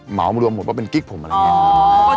เหมามารวมหมดว่าเป็นกิ๊กผมอะไรอย่างนี้